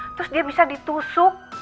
terus dia bisa ditusuk